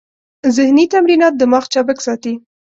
ذهني تمرینات دماغ چابک ساتي.